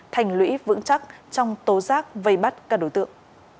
thành lũy vững chắc trong tố giác vây bắt các đối tượng